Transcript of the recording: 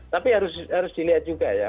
tapi harus dilihat juga ya